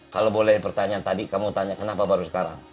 kalau boleh pertanyaan tadi kamu tanya kenapa baru sekarang